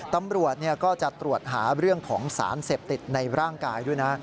ตำรวจก็จะตรวจหาเรื่องของสารเสพติดในร่างกายด้วยนะ